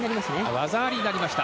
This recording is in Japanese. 技ありになりました。